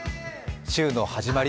週の始まり